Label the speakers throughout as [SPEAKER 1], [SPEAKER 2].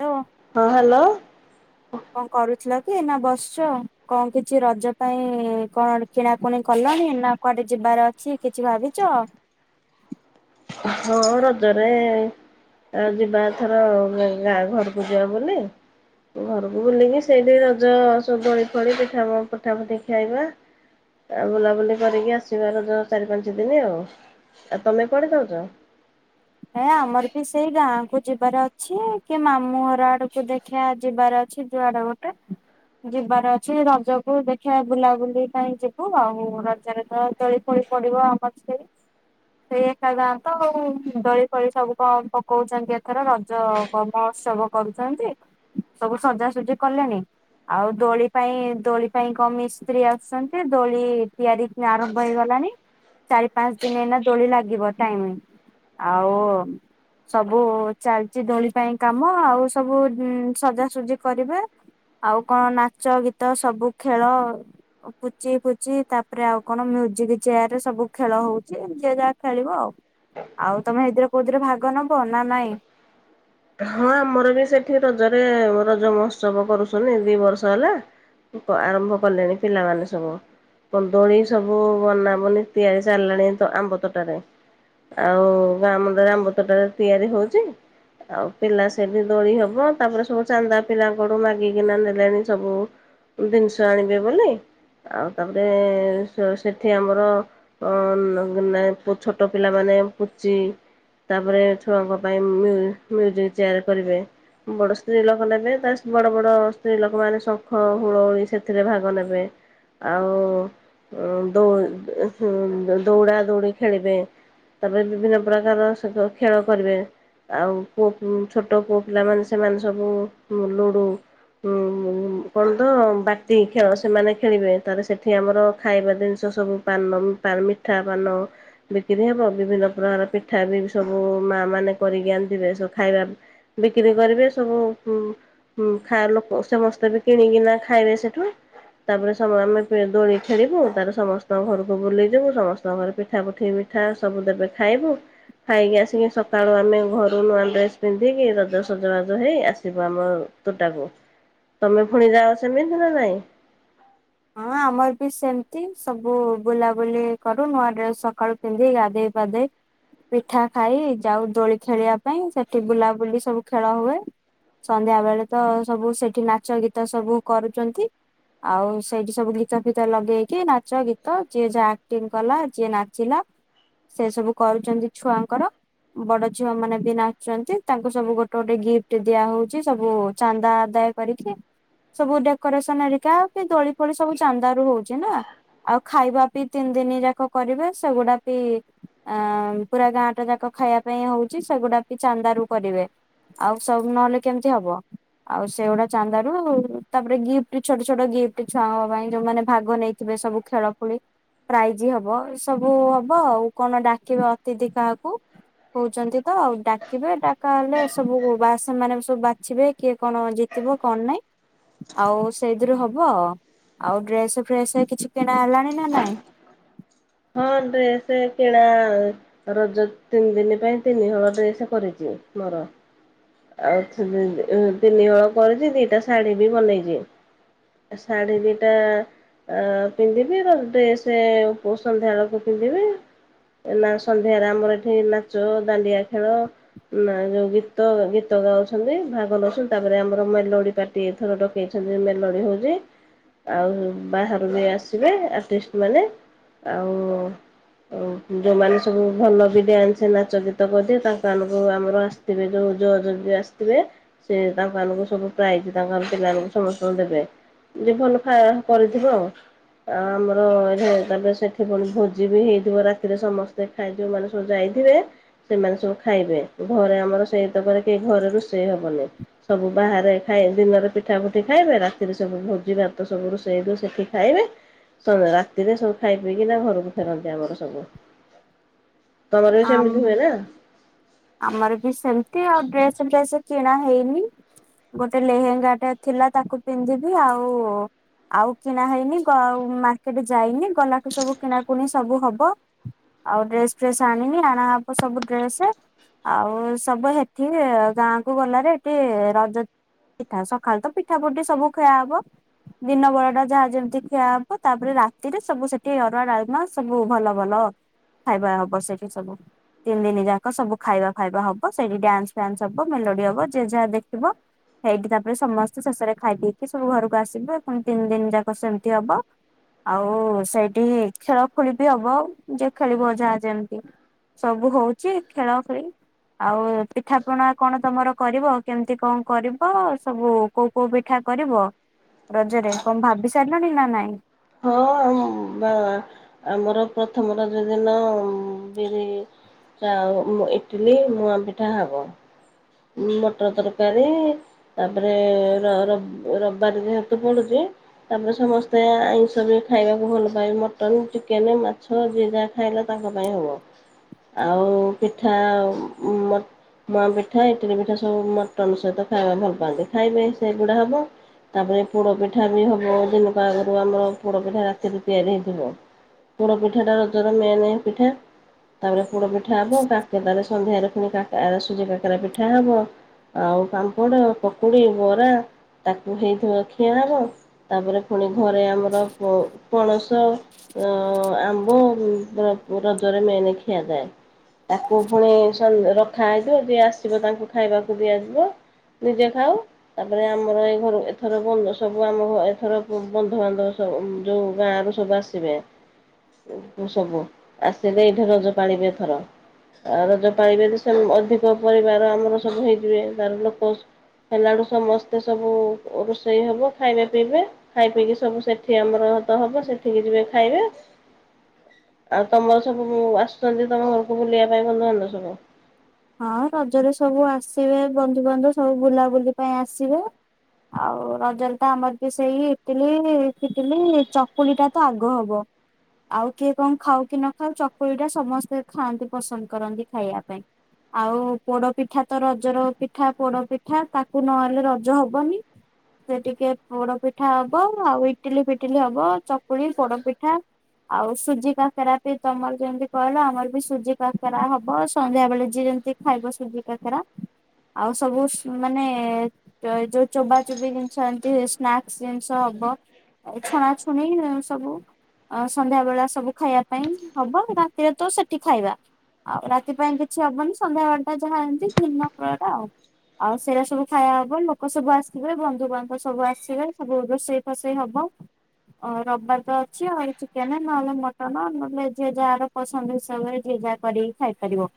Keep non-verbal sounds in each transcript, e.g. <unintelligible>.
[SPEAKER 1] Hello
[SPEAKER 2] ହଁ hello.
[SPEAKER 1] କଣ କରୁଥିଲ କି, ନା ବସିଚ କଣ କିଛି ରଜ ପାଇଁ କଣ କିଣାକୁଣି କଲଣି ନା କୁଆଡେ ଯିବାର ଅଛି କିଛି ଭାବିଚ।
[SPEAKER 2] ହଁ ରଜରେ ଆଉ ଯିବା ଏଥର ଗାଁ ଘରୁକୁ ଯିବା ବୋଲି ଘରୁକୁ ବୁଲିକି ସେଇଠି ରଜ <unintelligible> ପିଠା ପଠା ଫୁଟି ଖାଇବା। ଆଉ ବୁଲାବୁଲି କରିକି ଆସିବା ରଜ ଚାରି ପାଞ୍ଚ ଦିନ ଆଉ, ଆଉ ତମେ କୁଆଡେ ଯାଉଛ?
[SPEAKER 1] ହେ ଆମର ବି ସେଇ ଗାଁ କୁ ଯିବାର ଅଛି କି ମାମୁଁ ଘର ଆଡକୁ <unintelligible> ଖିଆ ଯିବାର ଅଛି ଯୁଆଡେ ଗୋଟେ ଯିବାର ଅଛି ରଜକୁ ଦେଖିବା ବୁଲାବୁଲି ପାଇଁ ଯିବୁ ଆଉ ରଜରେ ତ ପଳି ପଡିବ ଆମର ସେ ସେଇ ଏକା ଯାଆନ୍ତ ଆଉ। ଦୋଳି ଫୋଳି ସବୁ କଣ ପକଉଚନ୍ତି ଏଥର ରଜ ମହୋତ୍ସବ କରୁଚନ୍ତି। ସବୁ ସଜାସଜି କଲେଣି? ଆଉ ଦୋଳି ପାଇଁ ଦୋଳି ପାଇଁ କଣ ମିସ୍ତ୍ରୀ ଆସୁଚନ୍ତି ଦୋଳି ତିଆରି ଆରମ୍ଭ ହେଇଗଲାଣି ଚାରି ପାଞ୍ଚ ଦିନ ହେଇନା ଦୋଳି ଲାଗିବ ଟାଇମ୍। ଆଉ ସବୁ ଚାଲିଚି ଦୋଳି ପାଇଁ କାମ ଆଉ ସବୁ ସଜାସଜି କରିବେ। ଆଉ କଣ ନାଚ ଗୀତ ସବୁ ଖେଳ ପୁଚି ଫୁଚି ତାପରେ ଆଉ କଣ ମ୍ୟୁଜିକ୍ ଚେୟାର ରେ ସବୁ ଖେଳ ହଉଚି ଯିଏ ଯାହା ଖେଳିବ ଆଉ। ଆଉ ତମେ ଏଇଥିିରେ କଉଥିିରେ ଭାଗ ନବ ନା ନାଇଁ?
[SPEAKER 2] ହଁ ଆମର ବି ସେଠି ରଜରେ ରଜ ମହୋତ୍ସବ କରୁଛନ୍ତି, ଦି ବର୍ଷ ହେଲା। ଆରମ୍ଭ କଲେଣି ପିଲାମାନେ ସବୁ। କନ୍ଦଳୀ ସବୁ ବନାବନି ତିଆରି ସାରିଲାଣି ତ ଆମ୍ବ ତଟାରେ। ଆଉ ଗାଁ ମୁଣ୍ଡରେ ଆମ୍ବ ତଟାରେ ତିଆରି ହଉଛି। ଆଉ ପିଲା ସେଠି ଦୋଳି ହବ ତାପରେ ସବୁ ଚାନ୍ଦା ପିଲାଙ୍କଠୁ ମାଗିକିନା ନେଲେଣି ସବୁ ଜିନିଷ ଆଣିବେ ବୋଲି ଆଉ ତାପରେ ସେଠି ଆମର ଅ <unintelligible> ଛୋଟ ପିଲା ମାନେ ପୁଚି ତାପରେ ଛୁଆଙ୍କ ପାଇଁ ମିୟୁଜିକ୍ ଚେୟାର କରିବେ। ବଡ ସ୍ତ୍ରୀ ଲୋକ ନେବେ ତା ବଡ-ବଡ ସ୍ତ୍ରୀ ଲୋକମାନେ ଶଙ୍ଖ ହୁଳହୁଳି ସେଥିରେ ଭାଗ ନେବେ। ଆଉ <unintelligible> ଦୌଡ଼ା ଦୌଡ଼ି ଖେଳିବେ। ତାପରେ ବିଭିନ୍ନ ପ୍ରକାର ସହିତ ଖେଳ କରିବେ ଆଉ <unintelligible> ଛୋଟ ପୁଅ ପିଲାମାନେ ସେମାନେ ସବୁ ଲୁଡ଼ୁ ଉଁ କଣ ତ ବାଟି ଖେଳ ସେମାନେ ଖେଳିବେ, ତାହଲେ ସେଠି ଆମର ଖାଇବା ଜିନିଷ ସବୁ ପାନମ୍ <unintelligible> ମିଠା ପାନ ବିକ୍ରି ହବ ବିଭିନ୍ନ ପ୍ରକାର ପିଠା ବି ସବୁ ମା ମାନେ କରିକି ଆଣିଥିବେ <unintelligible> ଖାଇବା ବିକ୍ରି କରିବେ ସବୁ ହୁଁ ଖାଆ ଲୋକ ସମସ୍ତେ ବି କିଣିକିନା ଖାଇବେ ସେଠୁ। ତାପରେ <unintelligible> ଆମେ ଦୋଳି ଖେଳିବୁ ତାପରେ ସମସ୍ତଙ୍କ ଘରକୁ ବୁଲିଯିବୁ ସମସ୍ତଙ୍କ ଘରେ ପିଠା ପଠେଇ ପିଠା ସବୁ ଦେବେ ଖାଇବୁ ଖାଇକି ଆସି ସକାଳୁ ଆମେ ଘରୁ ନୂଆ ଡ୍ରେସ୍ ପିନ୍ଧିକି ରଜ ସଜବାଜ ହେଇ ଆସିବୁ ଆମ ତୋଟାକୁ। ତମେ ପୁଣି ଯାଅ ସେମିତି ନା ନାଇଁ?
[SPEAKER 1] ହଁ ଆମର ବି ସେମ୍ତି ସବୁ ବୁଲାବୁଲି କରୁ ନୂଆ ଡ୍ରେସ୍ ସକାଳୁ ପିନ୍ଧି ଗାଧୋଇ ପାଧେଇ ପିଠା ଖାଇ ଯାଉ ଦୋଳି ଖେଳିବା ପାଇଁ ସେଠି ବୁଲାବୁଲି ସବୁ ଖେଳ ହୁଏ। ସନ୍ଧ୍ୟା ବେଳେ ତ ସବୁ ସେଠି ନାଚ ଗୀତ ସବୁ କରୁଚନ୍ତି, ଆଉ ସେଇଠି ସବୁ ଗୀତ ଫିିତ ଲଗେଇକି ନାଚ ଗୀତ ଯିଏ ଯାହା ଆକ୍ଟିଂ କଲା ଯିଏ ନାଚିଲା ସେ ସବୁ କରୁଚନ୍ତି ଛୁଆଙ୍କର। ବଡ ଝିଅ ମାନେ ବି ନାଚୁ ଚନ୍ତି ତାଙ୍କୁ ସବୁ ଗୋଟେ ଗୋଟେ ଗିଫ୍ଟ ଦିଆ ହଉଚି ସବୁ ଚାନ୍ଦା ଆଦାୟ। କରିକି ସବୁ ଡେକୋରେସନ ହେଳିକା କି ଦୋଳି ଫୋଳି ସବୁ ଚାନ୍ଦା ରୁ ହଉଛି ନା। ଆଉ ଖାଇବା ବି ତିନି ଦିନ ଯାକ କରିବେ ସେଗୁଡା ବି। ଆ ପୁରା ଗାଁ ଟା ଯାକ ଖାଇବା ପାଇଁ ହଉଚି ସେଗୁଡାକ ଚାନ୍ଦାରୁ କରିବେ। ଆଉ ସବୁ ନହେଲେ କେମିତି ହବ। ଆଉ ସେଗୁଡା ଚାନ୍ଦାରୁ ତାପରେ ଗିଫ୍ଟ ଛୋଟ ଛୋଟ ଗି ଏ ଛୁଆଙ୍କ ପାଇଁ ଯୋଉମାନେ ଭାଗ ନେଇଥିବେ ସବୁ ଖେଳ ଖୁଳି। ପ୍ରାଇଜ ହବ ଏ ସବୁ ହବ ଆଉ କଣ ଡାକିବେ ଅତିଥିି କାହାକୁ। ହଉଚନ୍ତି ତ ଆଉ ଡାକିବେ ଡାକା ହେଲେ ସବୁ ବା ସେମାନେ ସବୁ ବାଛିବେ କିଏ କଣ ଜି ତିବ କଣ ନାଇଁ ଆଉ ସେଇଥିରୁ ହ ହବ ଆଉ ଡ୍ରେସ ଫ୍ରେସ କିଛି କିଣା ହେଲାଣି ନା ନାଇଁ।
[SPEAKER 2] ହଁ ଡ୍ରେସ କିଣା। ରଜ ତିନି ଦିନି ପାଇଁ ତିନି ହଳ ଡ୍ରେସ କରିଦିଅ ମୋର। ଆଉ ତିନି ହ ତିନି ହଳ କରୁଛି ଦିଟା ଶାଢୀ ବି ବନେଇଚି। ଶାଢ଼ୀ ଦିଇଟା। ଆ ପିନ୍ଧିବି ଡ୍ରେସ ପୋ ସନ୍ଧ୍ୟାଳକୁ ପିନ୍ଧିବି। ନା ସନ୍ଧ୍ୟାରେ ଆମର ଏଠି ନାଚ ଦାଣ୍ଡିଆ ଖେଳ ନା ଯୋଉ ଗୀତ ଗୀ ଗୀତ ଗାଉଛନ୍ତି ଭାଗ ନଉଛୁ ତାପରେ ଆମର ମେଲୋଡି ପାଟି ଏଥର ଡକେଇଛନ୍ତି ମେଲୋଡି ହଉଛି। ଆଉ ବାହାରୁ ବି ଆସିବେ ଆର୍ଟିଷ୍ଟ ମାନେ ଆଉ। ଆଉ ଯୋଉମାନେ ସବୁ ଭଲ ବି ଡ୍ୟାନ୍ସ ନାଚ ଗୀତ କରିବେ ତାଙ୍କ ମାନଙ୍କୁ ଆମର। ତିବେ ଯୋ ଯୋ ଯୋ। ଯିଏ ଆସିଥିବେ ସେ ତାଙ୍କ ମାନଙ୍କୁ ସବୁ ପ୍ରାଇଜ ତାଙ୍କ ଆମ ପିଲାମାନଙ୍କୁ ସମସ୍ତଙ୍କୁ ଦେବେ। ଯେ ଭଲ ଖାଇବା କରିଥିବ ଆଉ। ଆ ଆମର ଏଠି ତାପରେ ସେଠି ଭୁଣି ଭୋଜି ବି ହେଇଥିବ ରାତିରେ ସମସ୍ତେ। ଏଇ ଯୋଉଁମାନେ ସବୁ ଯାଇଥିବେ ସେମାନେ ସବୁ ଖାଇବେ ଘରେ ଆମର ସେଇତକରେ। ଏ ଘର ରୋଷେଇ ହବନି। ସବୁ ବାହାରେ ଖାଇ ଦିନରେ ପିଠା ପୁଠି ଖାଇବେ ରାତିରେ ସବୁ ଭୋଜି ଭାତ ସବୁ ରୋଷେଇରୁୁ ସେଠି ଖାଇବେ। କଣ ରାତିରେ ସବୁ ଖାଇ ପିଇକିନା ଘରକୁ ଫେରନ୍ତି ଆମର ସବୁ। ତମର ବି
[SPEAKER 1] ଆମ୍
[SPEAKER 2] ସେମିତି ହୁଏ ନା।
[SPEAKER 1] ଆମର ବି ସେମିତି ଆଉ ଡ୍ରେସ ଫ୍ରେସ କିଣା ହେଇନି। ଗୋଟେ ଲେହେଙ୍ଗାଟେ ଥିଲା ତାକୁ ପିନ୍ଧିବି ଆଉ। ଆଉ କିଣା ହେଇନି ଗ ମାର୍କେଟ ଯାଇନି ଗଲାଠୁ ସବୁ କିଣାକୁଣି ସବୁ ହବ। ଆଉ ଡ୍ରେସ ଫ୍ରେସ ଆଣିନି ଆଣା ହବ ସବୁ ଡ୍ରେସ। ଆଉ ସବୁ ହେଠି ଗାଁ କୁ ଗଲାରେ ଏଠି ରଜ। ପିଠା ସକାଳୁ ତ ପିଠା ପୁଠି ସବୁ ଖିଆ ହବ। ଦିନ ବଳଟା ଯାହା ଯେମିତି ଖିଆ ହବ ତାପରେ ରାତିରେ ସବୁ ସେଠି ଅରୁଆ ଡାଲମା ସବୁ ଭଲ ଭଲ। ଖାଇବା ହବ ସେଠି ସବୁ ତିନି ଦିନି ଯାକ ସବୁ। ଖାଇବା ଫାଇବା ହବ ସେଇଟି ଡ୍ୟାନ୍ସ ଫ୍ୟାନ୍ସ ହବ ମେଲୋଡି ହବ ଯେ ଯା ଦେଖିବ। ହେଇଟି ତାପରେ ସମସ୍ତେ ଶେଷରେ ଖାଇ ପିଇକି ସବୁ ଘରକୁ ଆସିବେ ପୁଣି ତିନି ଦିନି ଯାକ ସେମିତି ହବ। ଆଉ ସେଇଠି ହିଁ ଖେଳ ଖେଳି ବି ହବ ଯେ ଖେଳିବ ଯାହା ଯେମିତି। ସବୁ ହଉଚି ଖେଳ ଖେଳି। ଆଉ ପିଠା ପଣା କଣ ତମର କରିବ କେମିତି କଣ କରିବ ସବୁ। କୋଉ କୋଉ ପିଠା କରିବ ରଜରେ କଣ ଭାବି ସାରିଲଣି ନା ନାଇଁ।
[SPEAKER 2] ହଁ। ଆମର ପ୍ରଥମ ଯେଉଦିନ ବିରି ଚାଉଳ ଇଟଲି ମୁଆ ପିଠା ହବ। ମଟର ତରକାରୀ। ତାପରେ ରବିବାରରେ ହେତୁ ପଡୁଛି। ଆମେ ସମସ୍ତେ ଆଇଁଷ ବି ଖାଇବାକୁ ଭଲ ମଟନ୍ ଚିକେନ୍ ମାଛ ଯିଏ ଯାହା ଖାଇବା ଟା ସବୁ ହବ। ଆଉ ପିଠା ମ ମୁଆଁ ପିଠା ଇଟିଲି ପିଠା ସବୁ ମଟନ୍ ସହିତ ଖାଇବା ଭଲ ପାଆନ୍ତି ଖାଇବେ ସେଇଗୁଡ଼ା ହବ। ତାପରେ ପୋଡ଼ପିଠା ବି ହେବ ଦିନୁଟେ ଆଗରୁ ଆମେ ପୋଡ଼ପିଠା ରାତିରୁ ତିଆରି ହେବ ପୋଡ଼ ପିଠା ଟା ରଜର ମେନ୍ ପିଠା। ତାପରେ ପୋଡ଼ ପିଠା ହବ କାକ ତାଲେ ସନ୍ଧ୍ୟାରେ ପୁଣି ସୁଜି କାକରା ପିଠା ହବ। ଆଉ ପାମ୍ପଡ଼ ପକୁଡ଼ି ବରା। ତାକୁ ହେଇଥିବ ଖିଆ ହବ ତାପରେ ପୁଣି ଘରେ ଆମର ପଣସ ଅ ଆମ୍ବ ରଜରେ ମେନ୍ ଖିଆଯାଏ। ତାକୁ ପୁଣି ରଖା ହେଇଯିବ ଯିଏ ଆସିବ ତାଙ୍କୁ ଖାଇବାକୁ ଦିଆଯିବ। ନିଜେ ଖାଉ। ତାପରେ ଆମର ଏଇ ଘରୁ ଏଥର ସବୁ ଆମ ଏଥର ବନ୍ଧୁବାନ୍ଧବ ସବୁ ଯୋଉ ଗାଁରୁ ସବୁ ଆସିବେ। ସବୁ ଆସିବେ ଏଇଠି ରଜ ପାଳିବେ ଏଥର। ଆଉ ରଜ ପାଲିବେ ତ ସେ ଅଧିକ ପରିବାର ଆମର ସବୁ ହେଇଯିବେ ତାର ଲୋକ। ହେଲାଆଳୁକୁ ସମସ୍ତେ ସବୁ ରୋଷେଇ ହବ ଖାଇବା ପିଇବେ। ଖାଇ ପିଇକି ସବୁ ସେଠି ଆମର ହତା ହବ ସେଠିକି ଯିବେ ଖାଇବେ। ଆଉ ତମର ସବୁ ଆସୁଛନ୍ତି ତମ ଘରକୁ ବୁଲିବା ପାଇଁ ବନ୍ଧୁବାନ୍ଧବ ସବୁ?
[SPEAKER 1] ହଁ ରଜରେ ସବୁ ଆସିବେ ବନ୍ଧୁବାନ୍ଧବ ସବୁ ବୁଲାବୁଲି ପାଇଁ ଆସିବେ। ଆଉ ରଜଲ ତ ଆମର ସେଇ ଇଟିଲି ଫିଟିଲି ଚକୁଳି ଟା ତ ଆଗ ହବ। ଆଉ କିଏ କଣ ଖାଉ କି ନ ଖାଉ ଚକୁଳି ଟା ସମସ୍ତେ ଖାଆନ୍ତି ପସନ୍ଦ କରନ୍ତି ଖାଇବା ପାଇଁ। ଆଉ ପୋଡ଼ ପିଠା ତ ରଜର ପିଠା ପୋଡ଼ ପିଠା ତାକୁ ନହଲେ ରଜ ହବନି। ସେ ଟିକେ ପୋଡ଼ ପିଠା ହବ ଆଉ ଇଟିଲି ଫିଟିଲି ହବ ଚକୁଳି ପୋଡ଼ ପିଠା। ଆଉ ସୁଜି କାକରା ବି ତମର ଯେମିତି କହିଲ ଆମର ବି ସୁଜି କାକରା ହବ ସନ୍ଧ୍ୟାବେଳେ ଯିଏ ଯେମତି ଖାଇବ ସୁଜି କାକରା ଆଉ ସବୁ ମାନେ ଯୋଉ ଚୋବା ଚୋବି ଜିନିଷ ଏମିତି ସ୍ନାକ୍ସ ଜିନିଷ ହବ। ଆଉ ଛଣା ଛୁଣି ସବୁ ଆ ସନ୍ଧ୍ୟା ବେଳା ସବୁ ଖାଇବା ପାଇଁ ହବ ରାତିରେ ତ ସେଠି ଖାଇବା। ଆଉ ରାତି ପାଇଁ କିଛି ହବନି ସନ୍ଧ୍ୟା ବେଳେ ପାଇଁ ଯାହା ଏମିତି ଦିନ କଳଟା ଆଉ। ଆଉ ସେଇଟା ସବୁ ଖାଇବା ହବ ଲୋକ ସବୁ ଆସିବେ ବନ୍ଧୁବାନ୍ଧ ସବୁ ଆସିବେ ସବୁ ରୋଷେଇ ରୋଷେଇ ହବ। ଆଉ ରବିବାର ତ ଅଛି ଚିକେନ୍ ନହେଲେ ମଟନ୍ ନହେଲେ ଯିଏ ଯାହାର ପସନ୍ଦ ହିସାବରେ ଯିଏ ଯାହା କରିି ଖାଇପାରିବ।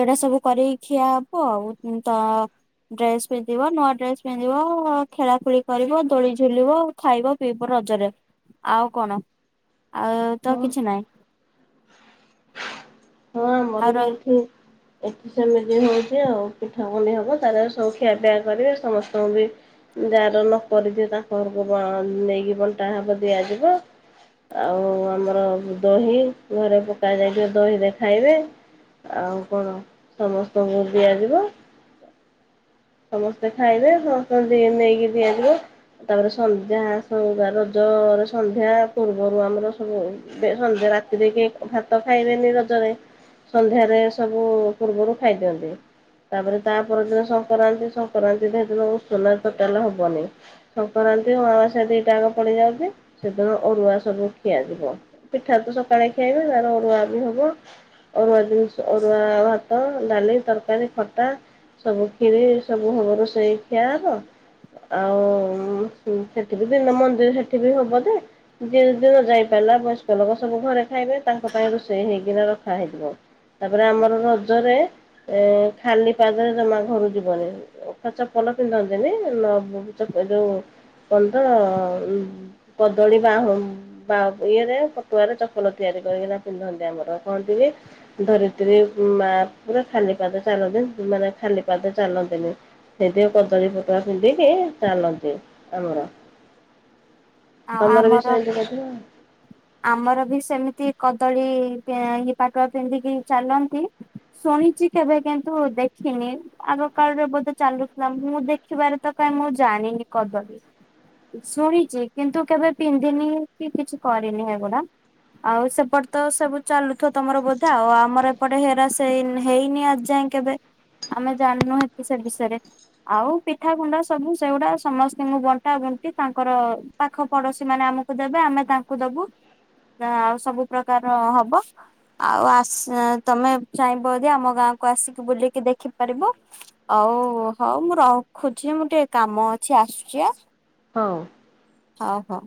[SPEAKER 1] ଏଇଟା ସବୁ କରି ଖିଆ ହବ ଆଉ ଡ୍ରେସ୍ ପିନ୍ଧିବ ନୂଆ ଡ୍ରେସ୍ ପିନ୍ଧିବ ଖେଳାଖେଳି କରିବ ଦୋଳି ଝୁଲିବ। ଖାଇବା ପିଇବ ରଜରେ ଆଉ କଣ ଆଉ ତ
[SPEAKER 2] ହଁ।
[SPEAKER 1] କିଛି ନାହିଁ।
[SPEAKER 2] ହଁ
[SPEAKER 1] ଆଉ
[SPEAKER 2] ଆମର
[SPEAKER 1] ର
[SPEAKER 2] ବି ଏଠି। ଏତି ସେମିତି ହଉଛି ଆଉ ପିଠା ପନି ହବ ତାର ସବୁ ଖିଆପିଆ କରିବେ ସମସ୍ତଙ୍କୁ ବି <inaudible> ଯାହାର ଲୋକଥିବେ ତାଙ୍କ ଘରକୁ ନେଇକି ବଣ୍ଟା ହବ ଦିଆଯିବ। ଆଉ ଆମର ଦହି ଘରେ ପକାଯାଇଥିବ ଦହି ଦେଖ। ଖାଇବେ ଆଉ କଣ ସମସ୍ତଙ୍କୁ ଦିଆଯିବ। ସମସ୍ତେ ଖାଇଲେ ସମସ୍ତଙ୍କୁ ନେଇକି ଦିଆଯିବ। ତାପରେ ସନ୍ଧ୍ୟା ସୁ ରଜରେ ସନ୍ଧ୍ୟା ପୂର୍ବରୁ ଆମର ସବୁ ସନ୍ଧ୍ୟା ରାତିରେ କି ଭାତ ଖାଇବେନି ରଜରେ। ସନ୍ଧ୍ୟାରେ ସବୁ ପୂର୍ବରୁ ଖାଇଦିଅନ୍ତି ତାପରେ ତା ପରଦିନ ସଂକ୍ରାନ୍ତି ସଂକ୍ରାନ୍ତି ଦେଇଦିନ ସୁନା ଟୋଟାଲେ ହବନି। ସଂକ୍ରାନ୍ତି ଅମାବାସ୍ୟା ଦୁଇଟାକ ପଡ଼ିଯାଉଛି ସେଦିନ ଅରୁଆ ସବୁ ଖିଆଯିବ। ପିଠା ତ ସକାଳେ ଖିଆବେ ନା ଅରୁୁଆ ବି ହବ। ଅରୁଆ ଜିନିଷ ଅରୁଆ ଭାତ ଡାଲି ତରକାରୀ ଖଟା ସବୁ କ୍ଷିରି ସବୁ ହବ ରୋଷେଇ ଖିଆହବ। ଆଉ ସେଠି ବି ବିନା ମନ୍ଦିର ସେଠି ବି ହବ ଯେ ଯେ ଦିନ ଯାଇପାରିଲା ବୟସ୍କ ଲୋକ ସବୁ ଘରେ ଖାଇବେ ତାଙ୍କ ପାଇଁ ରୋଷେଇ ହେଇକିନା ରଖା ହେଇଥିବ। ତାପରେ ଆମର ରଜରେ ଏ ଖାଲି ପାଦରେ ଜମା ଘରୁ ଯିବନି ଖଚ ପଲ ପିନ୍ଧନ୍ତିନି ଯୋଉ କଣତ କଦଳୀ ବାହ ବା ଇଏରେ ପଟୁଆରେ ଚପଲ ତିଆରି କରିକିନା ପିନ୍ଧନ୍ତି ଆମର କହନ୍ତି କି ଧରିତ୍ରୀ ମା ପୁରା ଖାଲି ପାଦ ଚାଲନ୍ତି ମାନେ ଖାଲି ପାଦ ଚାଲନ୍ତିନି ସେଠି କଦଳୀ ପୋଟକା ପିନ୍ଧିକି ଚାଲନ୍ତି ଆମର।
[SPEAKER 1] ଆଉ
[SPEAKER 2] ତମର ବି
[SPEAKER 1] ଆମର
[SPEAKER 2] ସେମତି କରୁଥିବ।
[SPEAKER 1] ଆମର ବି ସେମିତି କଦଳୀ ଇ ପାଟ ପିନ୍ଧିକି ଚାଲନ୍ତି। ଶୁଣିଛି କେବେ କିନ୍ତୁ ଦେଖିନି। ଆଗ କାଳରେ ବୋଧେ ଚାଲୁଥିଲା ମୁଁ ଦେଖିବାରେ ତ କାହିଁ ମୁଁ ଜାଣିନି କଦଳୀ ଶୁଣିଛି କିନ୍ତୁ କେବେ ପିନ୍ଧିନି କି କିଛି କରିନି ଏଗୁଡା। ଆଉ ସେପଟେ ତ ସବୁ ଚାଲୁଥ ତମର ବୋଧେ ଆଉ ଆମର ଏପଟେ ହେରାସ ହେଇନି ଆଜି ଯାଏ କେବେ ଆମେ ଜାଣିନୁହନ୍ତି ସେ ବିଷୟରେ। ଆଉ ପିଠାଗୁଣ୍ଡା ସବୁ ସେଗୁଡା ସମସ୍ତଙ୍କୁ ବଣ୍ଟା ବଣ୍ଟି ତାଙ୍କର ପାଖ ପଡୋଶୀ ମାନେ ଆମକୁ ଦେବେ ଆମେ ତାଙ୍କୁ ଦବୁ ଆଉ ସବୁ ପ୍ରକାର ହବ। ଆଉ ଆସ ତମେ ଚାହିଁବ ଯଦି ଆମ ଗାଁକୁ ଆସିକି ବୁଲିକି ଦେଖିପାରିବ। ହଉ ହଉ ମୁଁ ରଖୁଛି ମୁଁ ଟିକେ କାମ ଅଛି ଆସୁଛି ଆ
[SPEAKER 2] ହଉ।
[SPEAKER 1] ହଉ ହଉ।